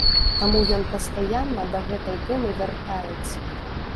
Таму ён пастаянна да гэтай тэмы вяртаецца.